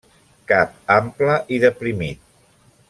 Cap ample i deprimit.